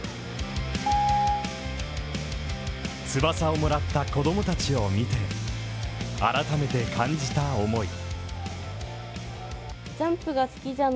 翼をもらった子供たちを見て改めて感じた思い。